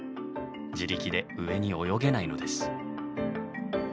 自力で上に泳げないのです。